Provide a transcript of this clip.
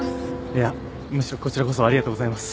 いやむしろこちらこそありがとうございます。